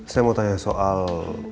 saya mau tanya soal